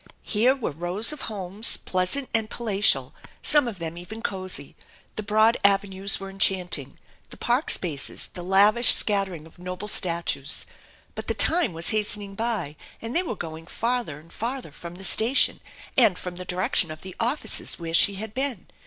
Here were rows of homes, pleasant and palatial, some of them even cozy The broad avenues were enchanting, the park spaces, the lavish scat tering of noble statues. But the time was hastening by and they were going farther and farther from the station and from the direction of the offices where she had been.